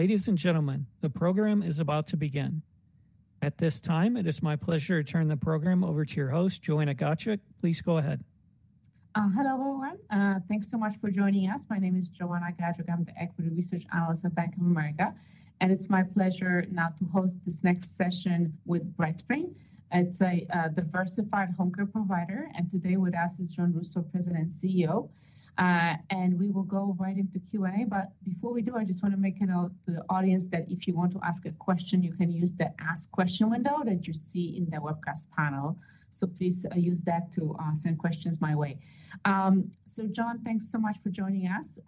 Ladies and gentlemen, the program is about to begin. At this time, it is my pleasure to turn the program over to your host, Joanna Gajuk. Please go ahead. Hello, everyone. Thanks so much for joining us. My name is Joanna Gajuk. I'm the Equity Research Analyst at Bank of America, and it's my pleasure now to host this next session with BrightSpring. It's a diversified home care provider, and today with us is Jon Rousseau, President and CEO, and we will go right into Q&A, but before we do, I just want to make a note to the audience that if you want to ask a question, you can use the Ask Question window that you see in the webcast panel, so please use that to send questions my way, so Jon, thanks so much for joining us.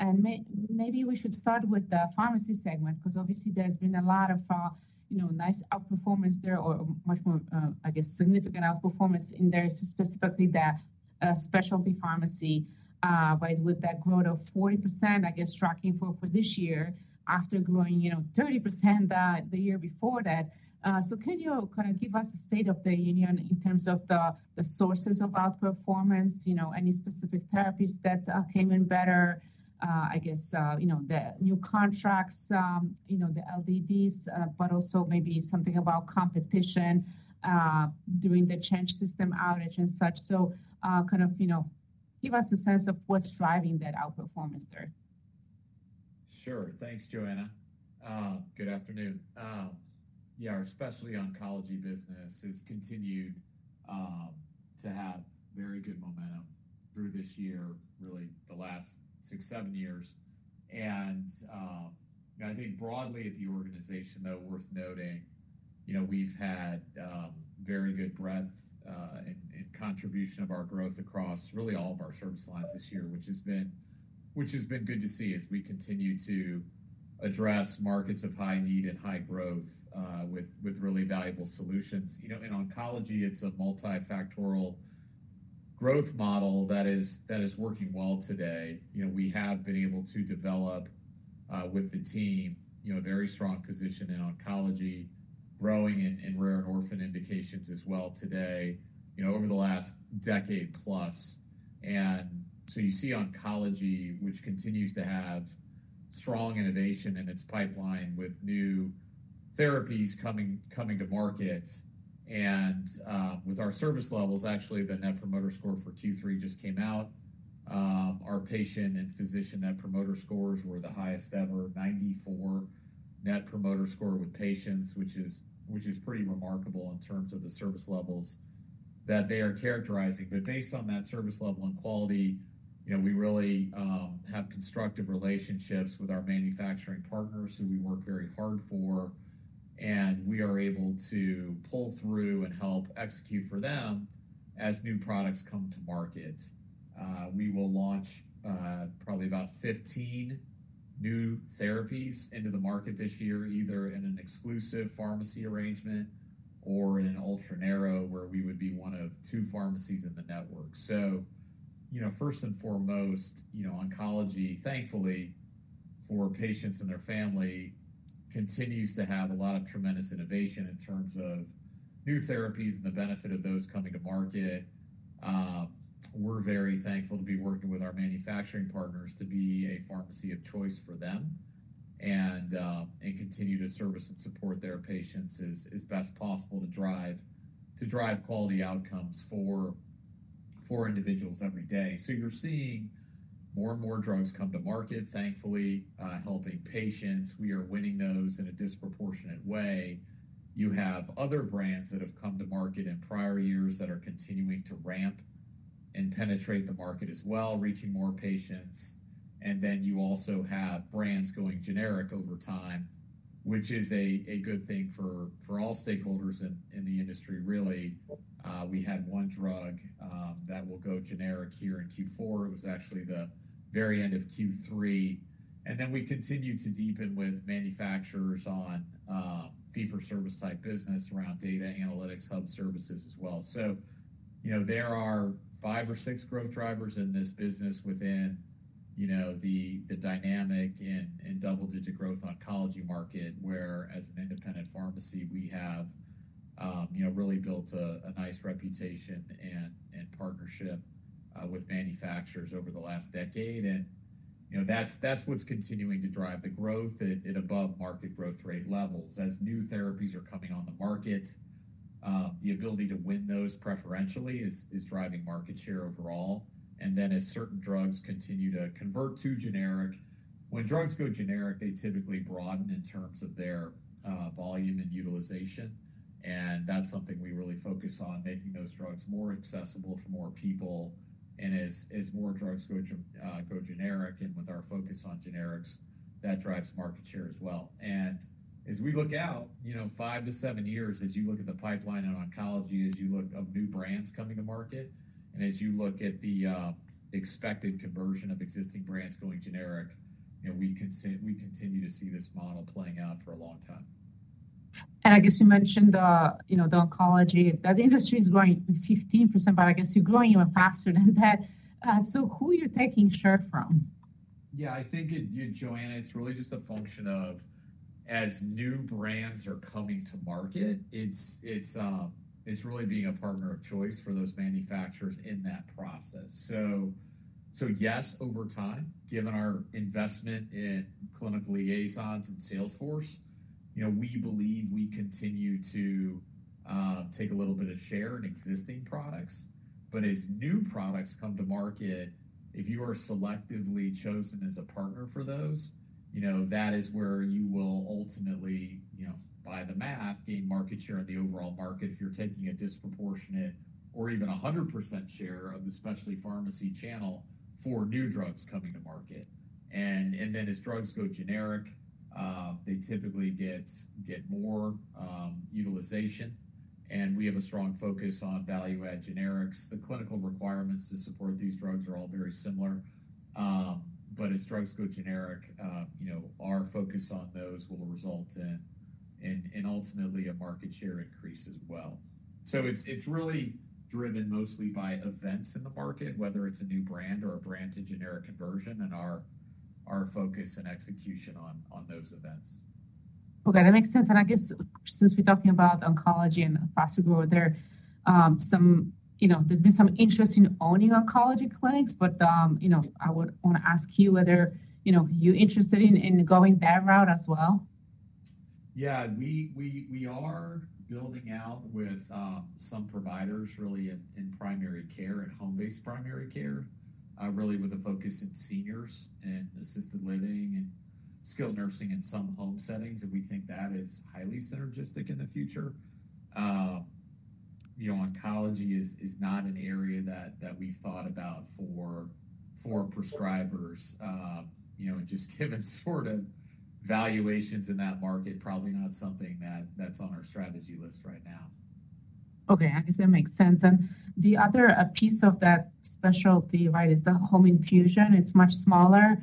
Maybe we should start with the pharmacy segment because obviously there's been a lot of nice outperformance there, or much more, I guess, significant outperformance in there, specifically the specialty pharmacy, right, with that growth of 40%, I guess, tracking for this year after growing, you know, 30% the year before that. Can you kind of give us a state of the union in terms of the sources of outperformance, you know, any specific therapies that came in better, I guess, you know, the new contracts, you know, the LDDs, but also maybe something about competition during the Change Healthcare system outage and such. Kind of, you know, give us a sense of what's driving that outperformance there. Sure. Thanks, Joanna. Good afternoon. Yeah, our specialty oncology business has continued to have very good momentum through this year, really the last six, seven years. And I think broadly at the organization, though, worth noting, you know, we've had very good breadth and contribution of our growth across really all of our service lines this year, which has been good to see as we continue to address markets of high need and high growth with really valuable solutions. You know, in oncology, it's a multifactorial growth model that is working well today. You know, we have been able to develop with the team, you know, a very strong position in oncology, growing in rare and orphan indications as well today, you know, over the last decade plus. And so you see oncology, which continues to have strong innovation in its pipeline with new therapies coming to market. With our service levels, actually, the Net Promoter Score for Q3 just came out. Our patient and physician Net Promoter Scores were the highest ever, 94 Net Promoter Score with patients, which is pretty remarkable in terms of the service levels that they are characterizing. But based on that service level and quality, you know, we really have constructive relationships with our manufacturing partners who we work very hard for, and we are able to pull through and help execute for them as new products come to market. We will launch probably about 15 new therapies into the market this year, either in an exclusive pharmacy arrangement or in an ultra narrow where we would be one of two pharmacies in the network. So, you know, first and foremost, you know, oncology, thankfully for patients and their family, continues to have a lot of tremendous innovation in terms of new therapies and the benefit of those coming to market. We're very thankful to be working with our manufacturing partners to be a pharmacy of choice for them and continue to service and support their patients as best possible to drive quality outcomes for individuals every day. So you're seeing more and more drugs come to market, thankfully, helping patients. We are winning those in a disproportionate way. You have other brands that have come to market in prior years that are continuing to ramp and penetrate the market as well, reaching more patients. And then you also have brands going generic over time, which is a good thing for all stakeholders in the industry, really. We had one drug that will go generic here in Q4. It was actually the very end of Q3, and then we continue to deepen with manufacturers on fee-for-service type business around data analytics hub services as well, so you know, there are five or six growth drivers in this business within, you know, the dynamic and double-digit growth oncology market where, as an independent pharmacy, we have, you know, really built a nice reputation and partnership with manufacturers over the last decade, and you know, that's what's continuing to drive the growth at above market growth rate levels. As new therapies are coming on the market, the ability to win those preferentially is driving market share overall, and then as certain drugs continue to convert to generic, when drugs go generic, they typically broaden in terms of their volume and utilization. That's something we really focus on, making those drugs more accessible for more people. And as more drugs go generic, and with our focus on generics, that drives market share as well. And as we look out, you know, five to seven years, as you look at the pipeline in oncology, as you look at new brands coming to market, and as you look at the expected conversion of existing brands going generic, you know, we continue to see this model playing out for a long time. I guess you mentioned the, you know, the oncology, that the industry is growing 15%, but I guess you're growing even faster than that. So who are you taking share from? Yeah, I think, Joanna, it's really just a function of, as new brands are coming to market, it's really being a partner of choice for those manufacturers in that process. So, yes, over time, given our investment in clinical liaisons and sales force, you know, we believe we continue to take a little bit of share in existing products. But as new products come to market, if you are selectively chosen as a partner for those, you know, that is where you will ultimately, you know, by the math, gain market share in the overall market if you're taking a disproportionate or even 100% share of the specialty pharmacy channel for new drugs coming to market. And then as drugs go generic, they typically get more utilization. And we have a strong focus on value-add generics. The clinical requirements to support these drugs are all very similar. But as drugs go generic, you know, our focus on those will result in ultimately a market share increase as well. So it's really driven mostly by events in the market, whether it's a new brand or a brand-to-generic conversion, and our focus and execution on those events. Okay, that makes sense. And I guess since we're talking about oncology and fast growth there, some, you know, there's been some interest in owning oncology clinics, but, you know, I would want to ask you whether, you know, you're interested in going that route as well? Yeah, we are building out with some providers really in primary care and home-based primary care, really with a focus in seniors and assisted living and skilled nursing in some home settings. And we think that is highly synergistic in the future. You know, oncology is not an area that we've thought about for prescribers, you know, and just given sort of valuations in that market, probably not something that's on our strategy list right now. Okay, I guess that makes sense. And the other piece of that specialty, right, is the home infusion. It's much smaller,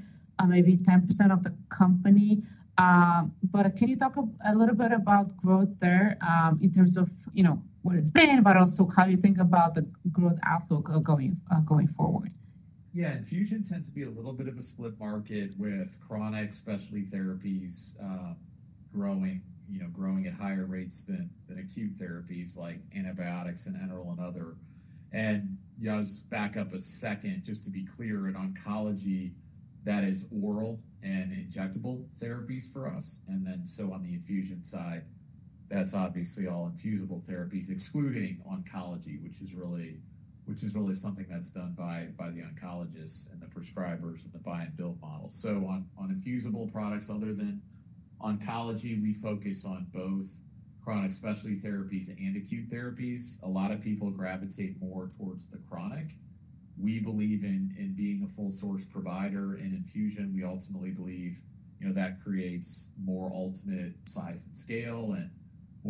maybe 10% of the company. But can you talk a little bit about growth there in terms of, you know, what it's been, but also how you think about the growth outlook going forward? Yeah, infusion tends to be a little bit of a split market with chronic specialty therapies growing, you know, growing at higher rates than acute therapies like antibiotics and enteral and other. And I'll just back up a second just to be clear. In oncology, that is oral and injectable therapies for us. And then so on the infusion side, that's obviously all infusible therapies, excluding oncology, which is really something that's done by the oncologists and the prescribers and the buy-and-bill model. So on infusible products, other than oncology, we focus on both chronic specialty therapies and acute therapies. A lot of people gravitate more towards the chronic. We believe in being a full-service provider in infusion. We ultimately believe, you know, that creates more ultimate size and scale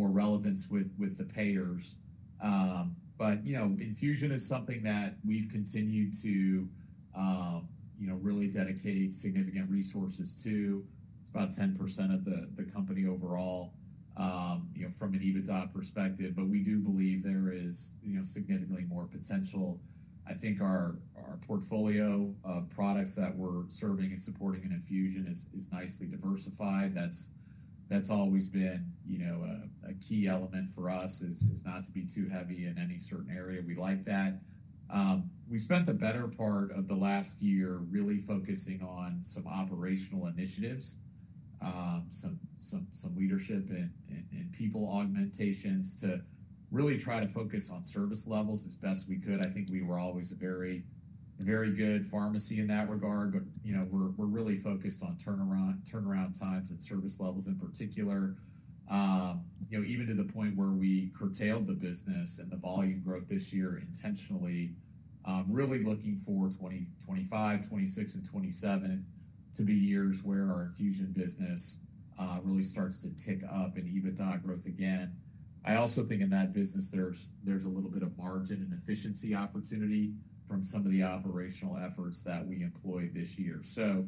and more relevance with the payers. But, you know, infusion is something that we've continued to, you know, really dedicate significant resources to. It's about 10% of the company overall, you know, from an EBITDA perspective. But we do believe there is, you know, significantly more potential. I think our portfolio of products that we're serving and supporting in infusion is nicely diversified. That's always been, you know, a key element for us is not to be too heavy in any certain area. We like that. We spent the better part of the last year really focusing on some operational initiatives, some leadership and people augmentations to really try to focus on service levels as best we could. I think we were always a very good pharmacy in that regard, but, you know, we're really focused on turnaround times and service levels in particular, you know, even to the point where we curtailed the business and the volume growth this year intentionally, really looking for 2025, 2026, and 2027 to be years where our infusion business really starts to tick up in EBITDA growth again. I also think in that business, there's a little bit of margin and efficiency opportunity from some of the operational efforts that we employed this year. So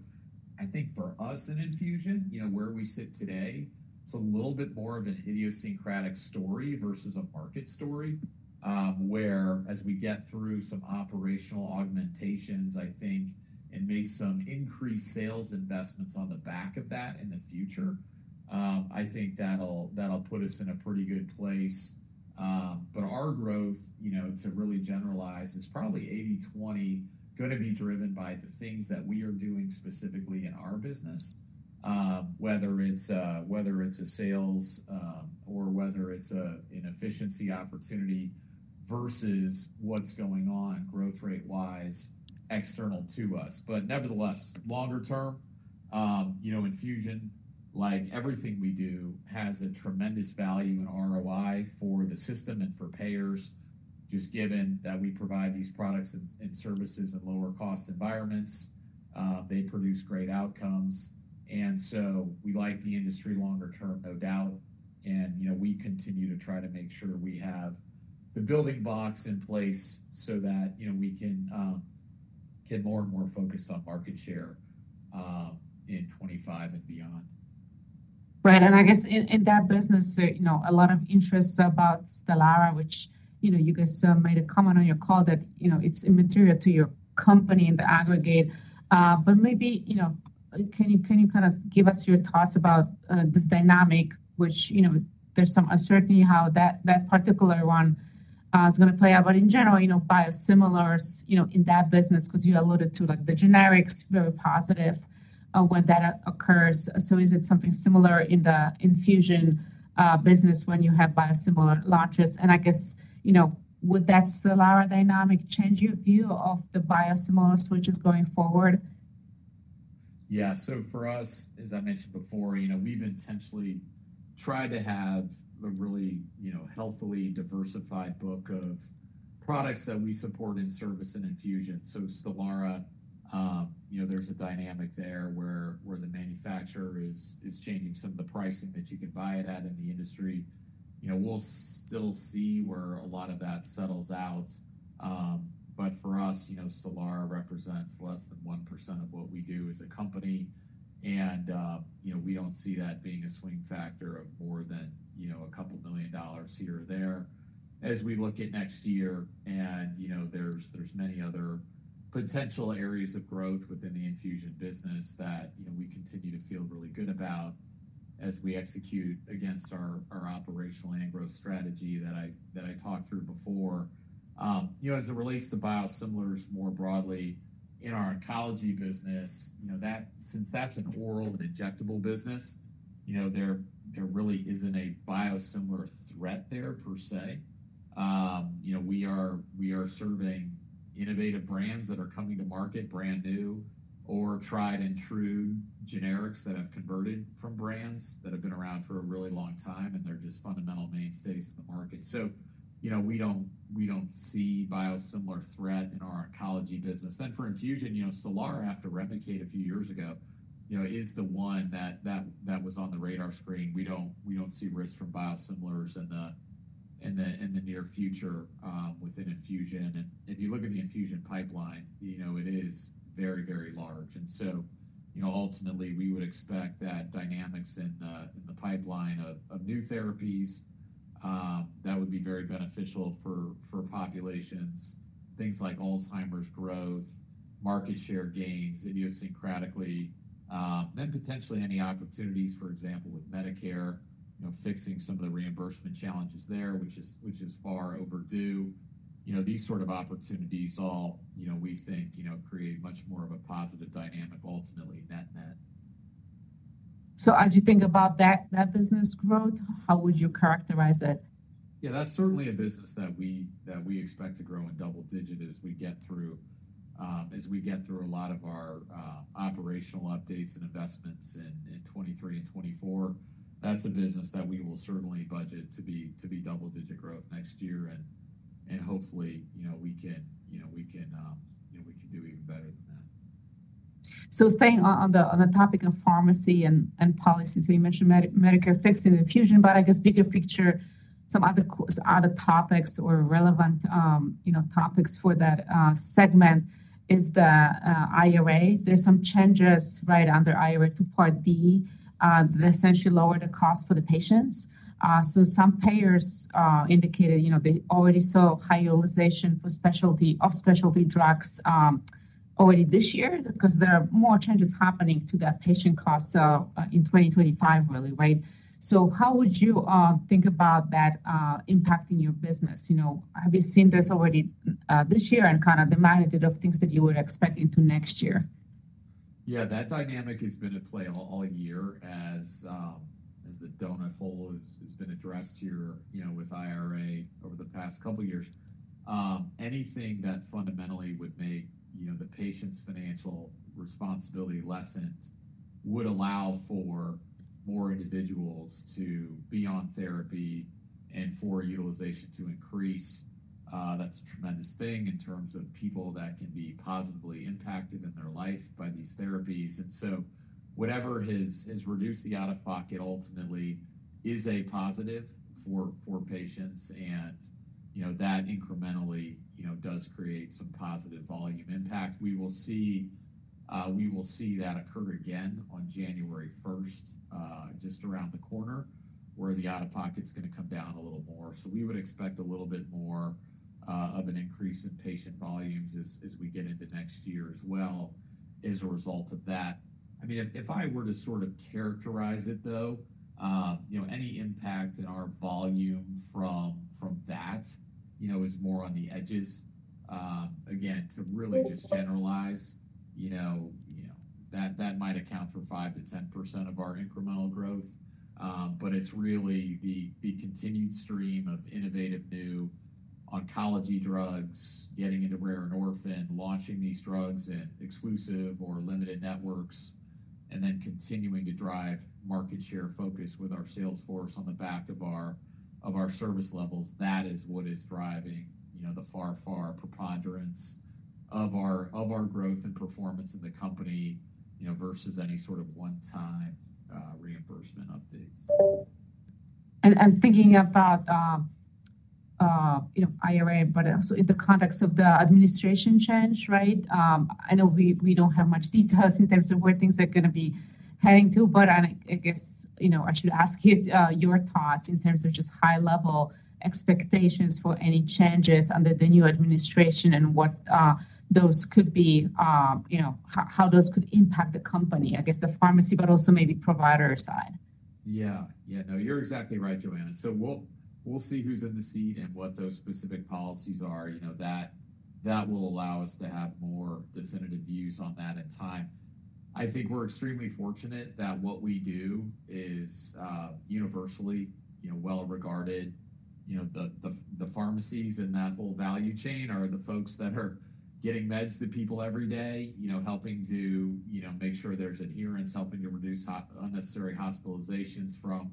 I think for us in infusion, you know, where we sit today, it's a little bit more of an idiosyncratic story versus a market story where, as we get through some operational augmentations, I think it makes some increased sales investments on the back of that in the future. I think that'll put us in a pretty good place. But our growth, you know, to really generalize, is probably 80/20 going to be driven by the things that we are doing specifically in our business, whether it's a sales or whether it's an efficiency opportunity versus what's going on growth rate-wise external to us. But nevertheless, longer term, you know, infusion, like everything we do, has a tremendous value in ROI for the system and for payers, just given that we provide these products and services in lower-cost environments. They produce great outcomes. And so we like the industry longer term, no doubt. And, you know, we continue to try to make sure we have the building blocks in place so that, you know, we can get more and more focused on market share in 2025 and beyond. Right. And I guess in that business, you know, a lot of interest about Stelara, which, you know, you guys made a comment on your call that, you know, it's immaterial to your company in the aggregate. But maybe, you know, can you kind of give us your thoughts about this dynamic, which, you know, there's some uncertainty how that particular one is going to play out. But in general, you know, biosimilars, you know, in that business, because you alluded to like the generics, very positive when that occurs. So is it something similar in the infusion business when you have biosimilar launches? And I guess, you know, would that Stelara dynamic change your view of the biosimilar switches going forward? Yeah. So for us, as I mentioned before, you know, we've intentionally tried to have a really, you know, healthily diversified book of products that we support in service and infusion. So Stelara, you know, there's a dynamic there where the manufacturer is changing some of the pricing that you can buy it at in the industry. You know, we'll still see where a lot of that settles out. But for us, you know, Stelara represents less than 1% of what we do as a company. And, you know, we don't see that being a swing factor of more than, you know, $2 million here or there as we look at next year. You know, there's many other potential areas of growth within the infusion business that, you know, we continue to feel really good about as we execute against our operational and growth strategy that I talked through before. You know, as it relates to biosimilars more broadly in our oncology business, you know, since that's an oral and injectable business, you know, there really isn't a biosimilar threat there per se. You know, we are serving innovative brands that are coming to market brand new or tried and true generics that have converted from brands that have been around for a really long time, and they're just fundamental mainstays in the market. So, you know, we don't see biosimilar threat in our oncology business. Then for infusion, you know, Stelara, after Remicade a few years ago, you know, is the one that was on the radar screen. We don't see risk from biosimilars in the near future within infusion, and if you look at the infusion pipeline, you know, it is very, very large, and so, you know, ultimately, we would expect that dynamics in the pipeline of new therapies that would be very beneficial for populations, things like Alzheimer's growth, market share gains, idiosyncratically, then potentially any opportunities, for example, with Medicare, you know, fixing some of the reimbursement challenges there, which is far overdue. You know, these sort of opportunities all, you know, we think, you know, create much more of a positive dynamic, ultimately net-net. So as you think about that business growth, how would you characterize it? Yeah, that's certainly a business that we expect to grow in double-digit as we get through, as we get through a lot of our operational updates and investments in 2023 and 2024. That's a business that we will certainly budget to be double-digit growth next year. And hopefully, you know, we can, you know, we can do even better than that. So staying on the topic of pharmacy and policies, you mentioned Medicare fixing infusion, but I guess bigger picture, some other relevant topics, you know, for that segment is the IRA. There's some changes, right, under IRA to Part D that essentially lower the cost for the patients. So some payers indicated, you know, they already saw high utilization of specialty drugs already this year because there are more changes happening to that patient cost in 2025, really, right? So how would you think about that impacting your business? You know, have you seen this already this year and kind of the magnitude of things that you would expect into next year? Yeah, that dynamic has been at play all year as the donut hole has been addressed here, you know, with IRA over the past couple of years. Anything that fundamentally would make, you know, the patient's financial responsibility lessened would allow for more individuals to be on therapy and for utilization to increase. That's a tremendous thing in terms of people that can be positively impacted in their life by these therapies. And so whatever has reduced the out-of-pocket ultimately is a positive for patients. And, you know, that incrementally, you know, does create some positive volume impact. We will see that occur again on January 1st, just around the corner, where the out-of-pocket's going to come down a little more. So we would expect a little bit more of an increase in patient volumes as we get into next year as well as a result of that. I mean, if I were to sort of characterize it, though, you know, any impact in our volume from that, you know, is more on the edges. Again, to really just generalize, you know, that might account for 5%-10% of our incremental growth. But it's really the continued stream of innovative new oncology drugs getting into rare and orphan, launching these drugs in exclusive or limited networks, and then continuing to drive market share focus with our sales force on the back of our service levels. That is what is driving, you know, the far, far preponderance of our growth and performance in the company, you know, versus any sort of one-time reimbursement updates. Thinking about, you know, IRA, but also in the context of the administration change, right? I know we don't have much details in terms of where things are going to be heading to, but I guess, you know, I should ask you your thoughts in terms of just high-level expectations for any changes under the new administration and what those could be, you know, how those could impact the company, I guess, the pharmacy, but also maybe provider side. Yeah. Yeah. No, you're exactly right, Joanna. So we'll see who's in the seat and what those specific policies are. You know, that will allow us to have more definitive views on that in time. I think we're extremely fortunate that what we do is universally, you know, well regarded. You know, the pharmacies in that whole value chain are the folks that are getting meds to people every day, you know, helping to, you know, make sure there's adherence, helping to reduce unnecessary hospitalizations from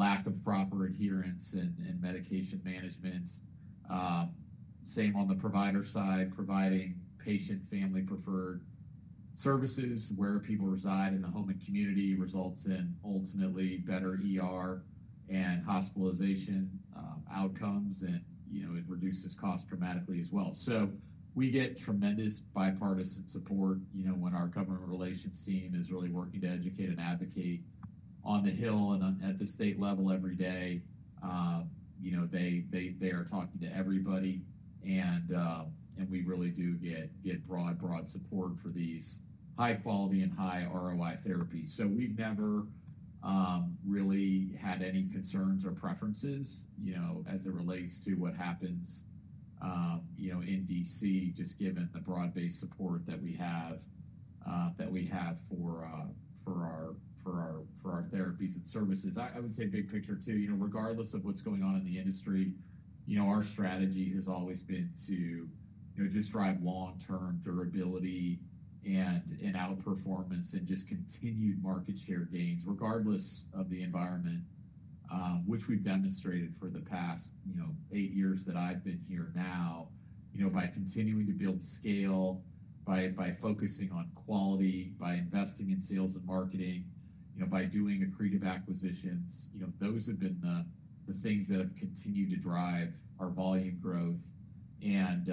lack of proper adherence and medication management. Same on the provider side, providing patient-family preferred services where people reside in the home and community results in ultimately better and hospitalization outcomes. And, you know, it reduces costs dramatically as well. So we get tremendous bipartisan support, you know, when our government relations team is really working to educate and advocate on the Hill and at the state level every day. You know, they are talking to everybody. And we really do get broad, broad support for these high-quality and high-ROI therapies. So we've never really had any concerns or preferences, you know, as it relates to what happens, you know, in D.C., just given the broad-based support that we have for our therapies and services. I would say big picture too, you know, regardless of what's going on in the industry, you know, our strategy has always been to, you know, just drive long-term durability and outperformance and just continued market share gains, regardless of the environment, which we've demonstrated for the past, you know, eight years that I've been here now, you know, by continuing to build scale, by focusing on quality, by investing in sales and marketing, you know, by doing accretive acquisitions. You know, those have been the things that have continued to drive our volume growth. And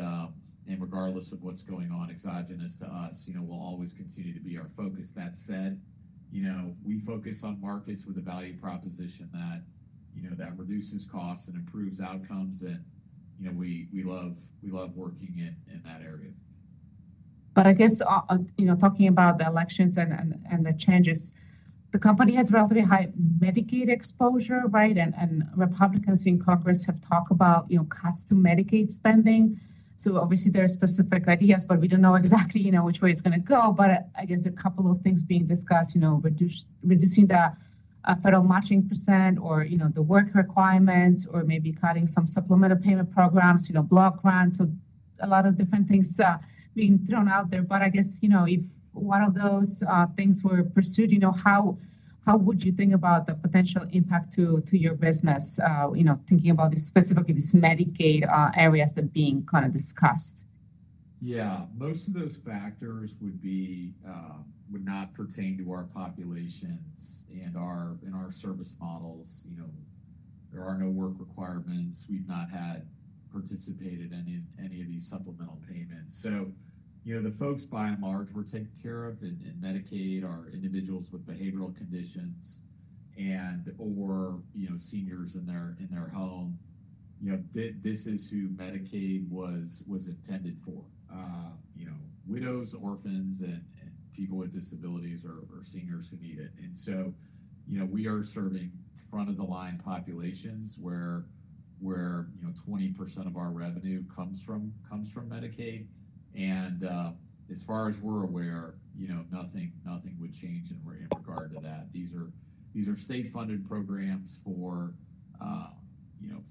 regardless of what's going on exogenous to us, you know, we'll always continue to be our focus. That said, you know, we focus on markets with a value proposition that, you know, that reduces costs and improves outcomes. And, you know, we love working in that area. But I guess, you know, talking about the elections and the changes, the company has relatively high Medicaid exposure, right? And Republicans in Congress have talked about, you know, cuts to Medicaid spending. So obviously, there are specific ideas, but we don't know exactly, you know, which way it's going to go. But I guess there are a couple of things being discussed, you know, reducing the federal matching percent or, you know, the work requirements or maybe cutting some supplemental payment programs, you know, block grants. So a lot of different things being thrown out there. But I guess, you know, if one of those things were pursued, you know, how would you think about the potential impact to your business, you know, thinking about specifically these Medicaid areas that are being kind of discussed? Yeah. Most of those factors would not pertain to our populations and our service models. You know, there are no work requirements. We've not participated in any of these supplemental payments. So, you know, the folks by and large were taken care of in Medicaid are individuals with behavioral conditions and/or, you know, seniors in their home. You know, this is who Medicaid was intended for. You know, widows, orphans, and people with disabilities or seniors who need it. And so, you know, we are serving front-of-the-line populations where, you know, 20% of our revenue comes from Medicaid. And as far as we're aware, you know, nothing would change in regard to that. These are state-funded programs for, you know,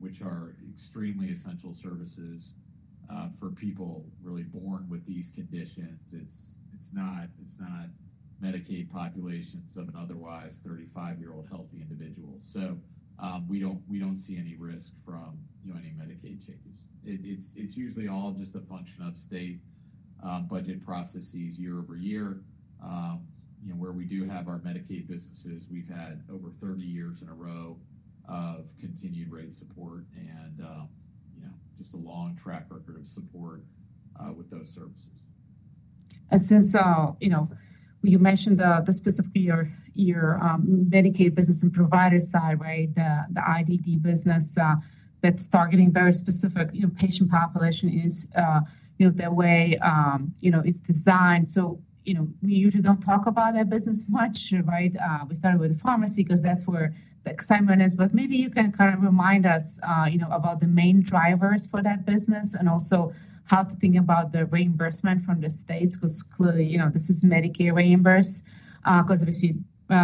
which are extremely essential services for people really born with these conditions. It's not Medicaid populations of an otherwise 35-year-old healthy individual. So we don't see any risk from, you know, any Medicaid changes. It's usually all just a function of state budget processes year over year. You know, where we do have our Medicaid businesses, we've had over 30 years in a row of continued rate support and, you know, just a long track record of support with those services. And since, you know, you mentioned specifically your Medicaid business and provider side, right, the IDD business that's targeting very specific, you know, patient population is, you know, the way, you know, it's designed. So, you know, we usually don't talk about that business much, right? We started with the pharmacy because that's where the excitement is. But maybe you can kind of remind us, you know, about the main drivers for that business and also how to think about the reimbursement from the states because clearly, you know, this is Medicaid reimbursed because obviously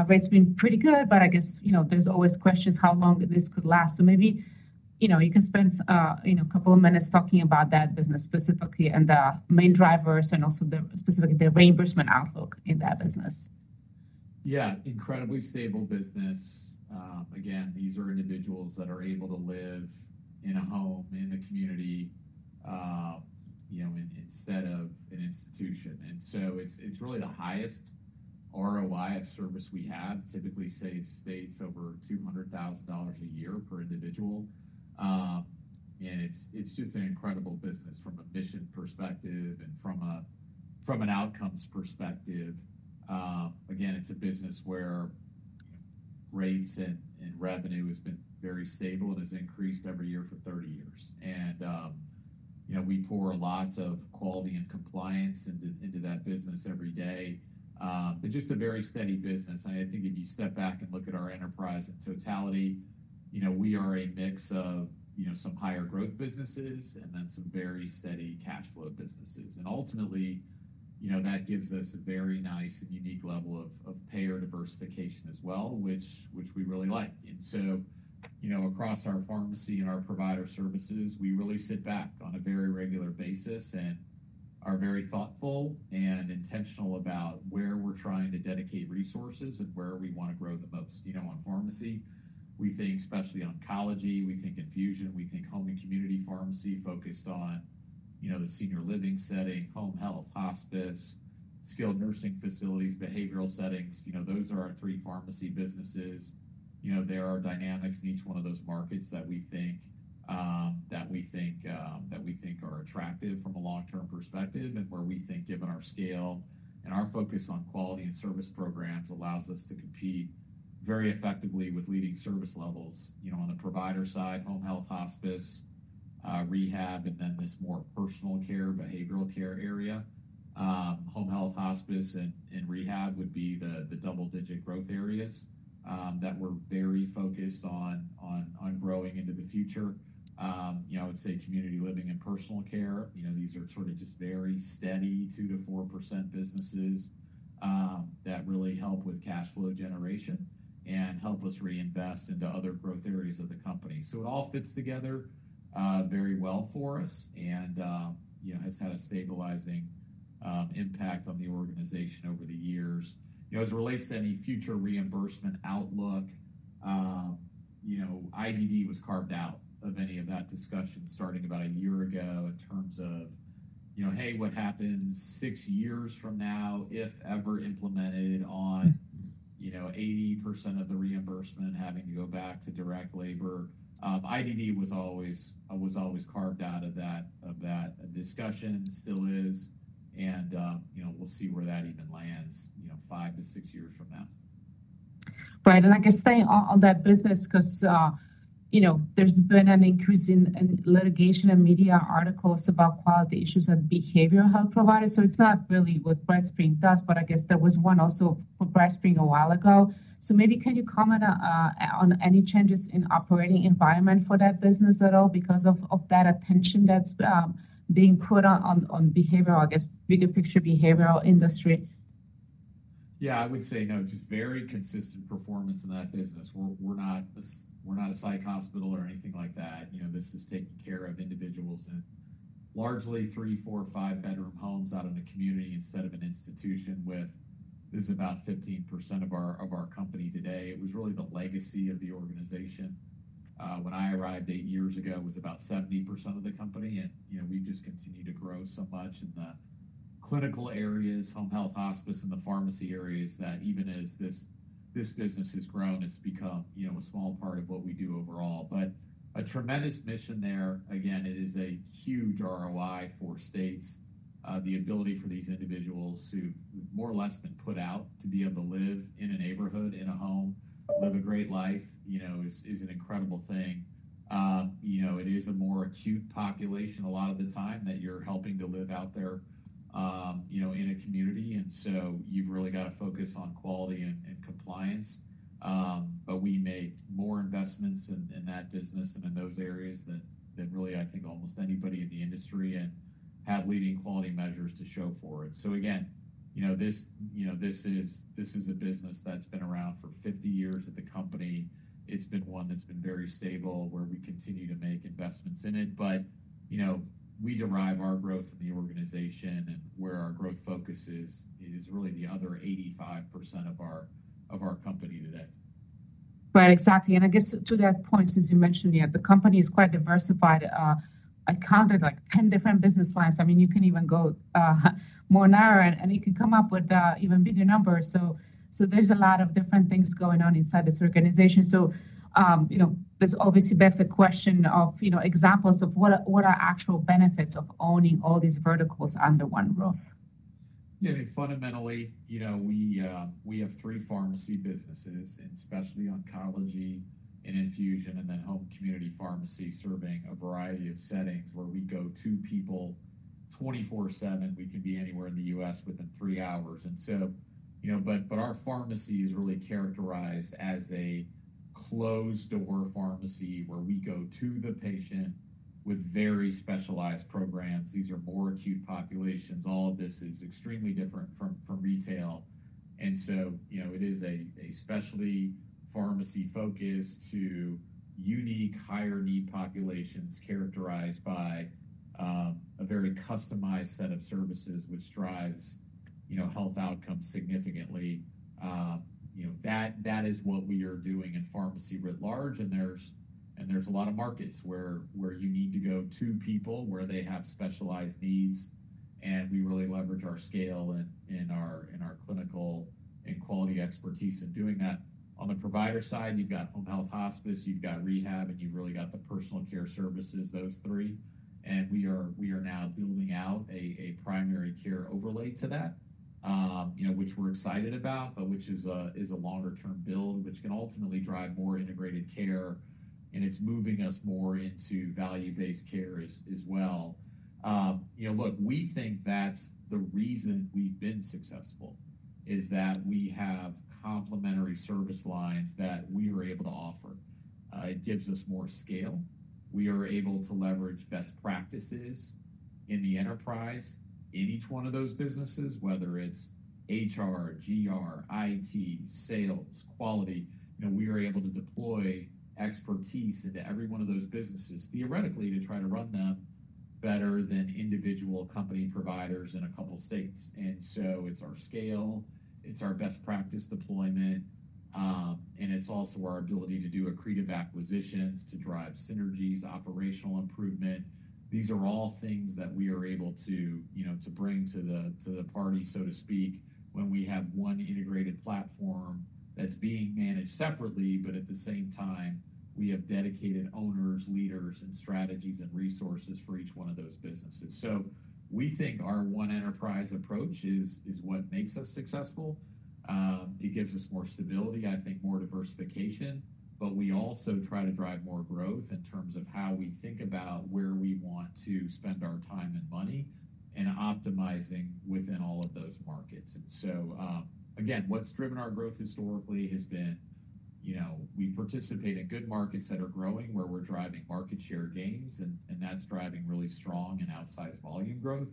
rates have been pretty good, but I guess, you know, there's always questions how long this could last. So maybe, you know, you can spend, you know, a couple of minutes talking about that business specifically and the main drivers and also specifically the reimbursement outlook in that business. Yeah. Incredibly stable business. Again, these are individuals that are able to live in a home in the community, you know, instead of an institution. And so it's really the highest ROI of service we have. Typically saves states over $200,000 a year per individual. And it's just an incredible business from a mission perspective and from an outcomes perspective. Again, it's a business where rates and revenue have been very stable and have increased every year for 30 years. And, you know, we pour a lot of quality and compliance into that business every day. But just a very steady business. And I think if you step back and look at our enterprise in totality, you know, we are a mix of, you know, some higher growth businesses and then some very steady cash flow businesses. And ultimately, you know, that gives us a very nice and unique level of payer diversification as well, which we really like. And so, you know, across our pharmacy and our provider services, we really sit back on a very regular basis and are very thoughtful and intentional about where we're trying to dedicate resources and where we want to grow the most. You know, on pharmacy, we think especially oncology, we think infusion, we think home and community pharmacy focused on, you know, the senior living setting, home health, hospice, skilled nursing facilities, behavioral settings. You know, those are our three pharmacy businesses. You know, there are dynamics in each one of those markets that we think are attractive from a long-term perspective and where we think given our scale and our focus on quality and service programs allows us to compete very effectively with leading service levels, you know, on the provider side, home health, hospice, rehab, and then this more personal care, behavioral care area. Home health, hospice, and rehab would be the double-digit growth areas that we're very focused on growing into the future. You know, I would say community living and personal care, you know, these are sort of just very steady 2%-4% businesses that really help with cash flow generation and help us reinvest into other growth areas of the company. So it all fits together very well for us and, you know, has had a stabilizing impact on the organization over the years. You know, as it relates to any future reimbursement outlook, you know, IDD was carved out of any of that discussion starting about a year ago in terms of, you know, hey, what happens six years from now if ever implemented on, you know, 80% of the reimbursement having to go back to direct labor. IDD was always carved out of that discussion, still is, and, you know, we'll see where that even lands, you know, five to six years from now. Right and I guess staying on that business because, you know, there's been an increase in litigation and media articles about quality issues and behavioral health providers, so it's not really what BrightSpring does, but I guess there was one also for BrightSpring a while ago, so maybe can you comment on any changes in operating environment for that business at all because of that attention that's being put on behavioral, I guess, bigger picture behavioral industry? Yeah. I would say, no, just very consistent performance in that business. We're not a psych hospital or anything like that. You know, this is taking care of individuals in largely three, four, five-bedroom homes out in the community instead of an institution. This is about 15% of our company today. It was really the legacy of the organization. When I arrived eight years ago, it was about 70% of the company. And, you know, we've just continued to grow so much in the clinical areas, home health, hospice, and the pharmacy areas that even as this business has grown, it's become, you know, a small part of what we do overall. But a tremendous mission there. Again, it is a huge ROI for states. The ability for these individuals who have more or less been put out to be able to live in a neighborhood, in a home, live a great life, you know, is an incredible thing. You know, it is a more acute population a lot of the time that you're helping to live out there, you know, in a community, and so you've really got to focus on quality and compliance, but we make more investments in that business and in those areas than really I think almost anybody in the industry and have leading quality measures to show for it, so again, you know, this is a business that's been around for 50 years at the company. It's been one that's been very stable where we continue to make investments in it. But, you know, we derive our growth in the organization and where our growth focus is, is really the other 85% of our company today. Right. Exactly. And I guess to that point, since you mentioned, yeah, the company is quite diversified. I counted like 10 different business lines. I mean, you can even go more narrow and you can come up with even bigger numbers. So there's a lot of different things going on inside this organization. So, you know, this obviously begs a question of, you know, examples of what are actual benefits of owning all these verticals under one roof? Yeah. I mean, fundamentally, you know, we have three pharmacy businesses and especially oncology and infusion and then home and community pharmacy serving a variety of settings where we go to people 24/7. We can be anywhere in the U.S. within three hours, and so, you know, but our pharmacy is really characterized as a closed-door pharmacy where we go to the patient with very specialized programs. These are more acute populations. All of this is extremely different from retail, and so, you know, it is a specialty pharmacy focus to unique higher-need populations characterized by a very customized set of services, which drives, you know, health outcomes significantly. You know, that is what we are doing in pharmacy writ large, and there's a lot of markets where you need to go to people where they have specialized needs. We really leverage our scale and our clinical and quality expertise in doing that. On the provider side, you've got home health, hospice, you've got rehab, and you've really got the personal care services, those three. We are now building out a primary care overlay to that, you know, which we're excited about, but which is a longer-term build, which can ultimately drive more integrated care. It's moving us more into value-based care as well. You know, look, we think that's the reason we've been successful is that we have complementary service lines that we are able to offer. It gives us more scale. We are able to leverage best practices in the enterprise in each one of those businesses, whether it's HR, GR, IT, sales, quality. You know, we are able to deploy expertise into every one of those businesses theoretically to try to run them better than individual company providers in a couple of states, and so it's our scale, it's our best practice deployment, and it's also our ability to do accretive acquisitions to drive synergies, operational improvement. These are all things that we are able to, you know, to bring to the party, so to speak, when we have one integrated platform that's being managed separately, but at the same time, we have dedicated owners, leaders, and strategies and resources for each one of those businesses, so we think our one enterprise approach is what makes us successful. It gives us more stability, I think, more diversification, but we also try to drive more growth in terms of how we think about where we want to spend our time and money and optimizing within all of those markets. And so, again, what's driven our growth historically has been, you know, we participate in good markets that are growing where we're driving market share gains, and that's driving really strong and outsized volume growth.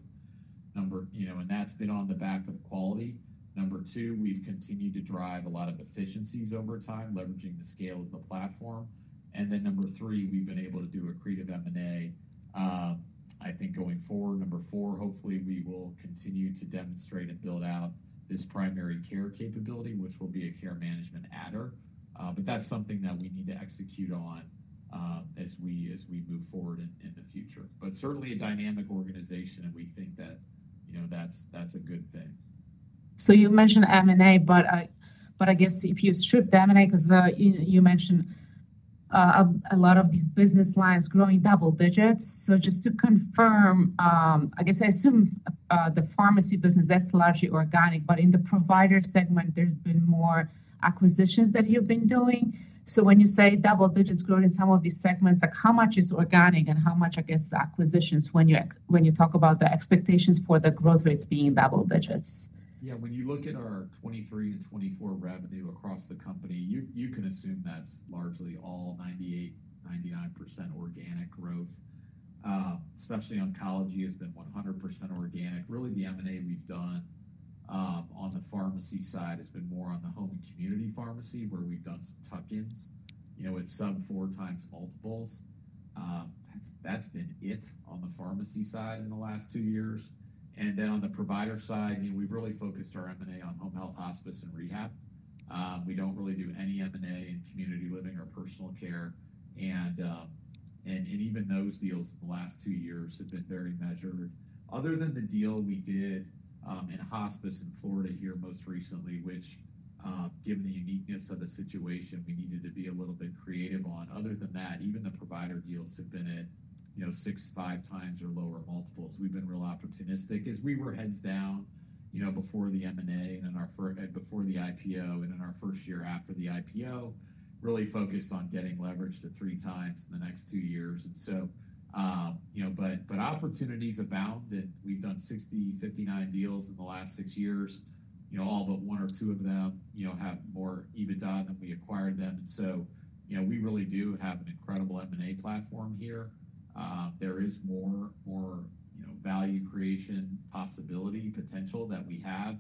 You know, and that's been on the back of quality. Number two, we've continued to drive a lot of efficiencies over time, leveraging the scale of the platform. And then number three, we've been able to do accretive M&A. I think going forward, number four, hopefully we will continue to demonstrate and build out this primary care capability, which will be a care management adder. But that's something that we need to execute on as we move forward in the future. But certainly a dynamic organization, and we think that, you know, that's a good thing. So you mentioned M&A, but I guess if you strip the M&A because you mentioned a lot of these business lines growing double digits. So just to confirm, I guess I assume the pharmacy business, that's largely organic, but in the provider segment, there's been more acquisitions that you've been doing. So when you say double digits growing in some of these segments, like how much is organic and how much, I guess, acquisitions when you talk about the expectations for the growth rates being double digits? Yeah. When you look at our 2023 and 2024 revenue across the company, you can assume that's largely all 98%-99% organic growth. Especially oncology has been 100% organic. Really, the M&A we've done on the pharmacy side has been more on the home and community pharmacy where we've done some tuck-ins, you know, at sub-four times multiples. That's been it on the pharmacy side in the last two years. And then on the provider side, you know, we've really focused our M&A on home health, hospice, and rehab. We don't really do any M&A in community living or personal care. And even those deals in the last two years have been very measured. Other than the deal we did in hospice in Florida here most recently, which, given the uniqueness of the situation, we needed to be a little bit creative on. Other than that, even the provider deals have been at, you know, six, five times or lower multiples. We've been real opportunistic as we were heads down, you know, before the M&A and before the IPO and in our first year after the IPO, really focused on getting leveraged to three times in the next two years, and so, you know, but opportunities abound, and we've done 60, 59 deals in the last six years. You know, all but one or two of them, you know, have more EBITDA than we acquired them, and so, you know, we really do have an incredible M&A platform here. There is more, you know, value creation possibility, potential that we have.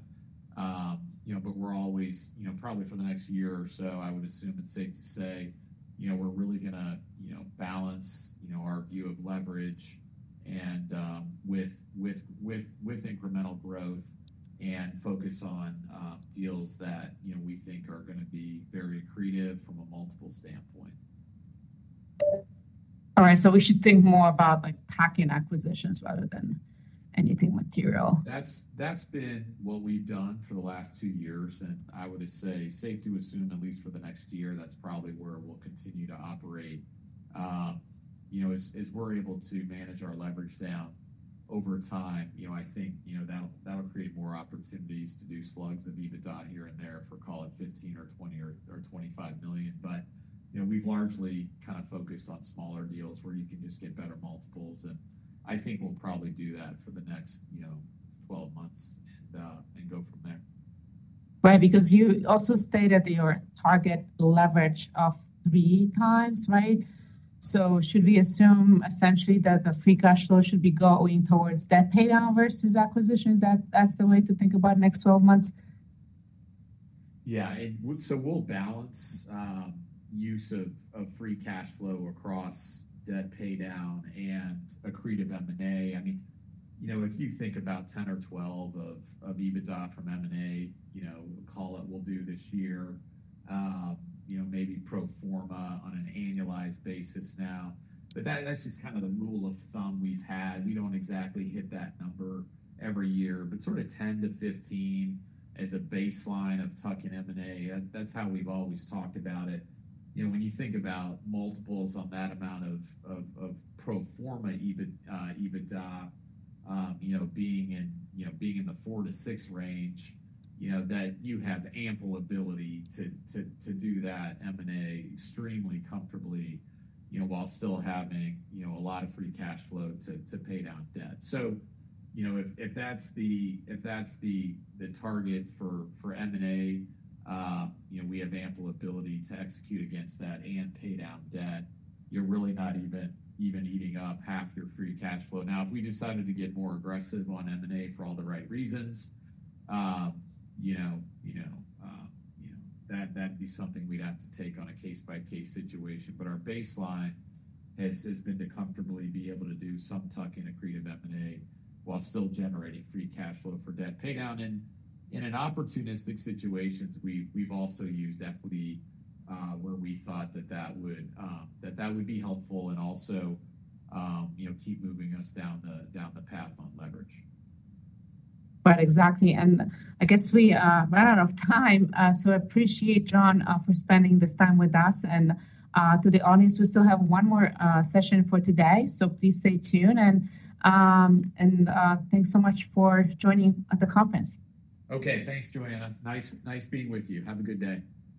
You know, but we're always, you know, probably for the next year or so, I would assume it's safe to say, you know, we're really going to, you know, balance, you know, our view of leverage and with incremental growth and focus on deals that, you know, we think are going to be very accretive from a multiple standpoint. All right, so we should think more about like tack-on acquisitions rather than anything material. That's been what we've done for the last two years, and I would say safe to assume at least for the next year, that's probably where we'll continue to operate. You know, as we're able to manage our leverage down over time, you know, I think, you know, that'll create more opportunities to do slugs of EBITDA here and there for, call it $15 million or $20 million or $25 million, but you know, we've largely kind of focused on smaller deals where you can just get better multiples, and I think we'll probably do that for the next, you know, 12 months and go from there. Right. Because you also stated your target leverage of three times, right? So should we assume essentially that the free cash flow should be going towards debt paydown versus acquisitions? That's the way to think about next 12 months? Yeah, and so we'll balance use of free cash flow across debt paydown and accretive M&A. I mean, you know, if you think about 10% or 12% of EBITDA from M&A, you know, call it we'll do this year, you know, maybe pro forma on an annualized basis now. But that's just kind of the rule of thumb we've had. We don't exactly hit that number every year, but sort of 10%-15% as a baseline of tuck-in M&A. That's how we've always talked about it. You know, when you think about multiples on that amount of pro forma EBITDA, you know, being in the four-to-six range, you know, that you have ample ability to do that M&A extremely comfortably, you know, while still having, you know, a lot of free cash flow to pay down debt. So, you know, if that's the target for M&A, you know, we have ample ability to execute against that and pay down debt. You're really not even eating up half your free cash flow. Now, if we decided to get more aggressive on M&A for all the right reasons, you know, you know, you know, that'd be something we'd have to take on a case-by-case situation. But our baseline has been to comfortably be able to do some tuck-in accretive M&A while still generating free cash flow for debt paydown. And in opportunistic situations, we've also used equity where we thought that that would be helpful and also, you know, keep moving us down the path on leverage. Right. Exactly. And I guess we ran out of time. So I appreciate, Jon, for spending this time with us. And to the audience, we still have one more session for today. So please stay tuned. And thanks so much for joining the conference. Okay. Thanks, Joanna. Nice being with you. Have a good day.